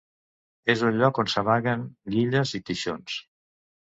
És un lloc on s'amaguen guilles i teixons.